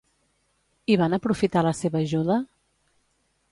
I van aprofitar la seva ajuda?